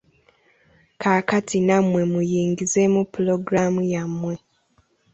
Kaakati nnammwe muyingizeemu puloguraamu yammwe.